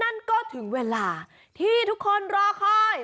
นั่นก็ถึงเวลาที่ทุกคนรอคอย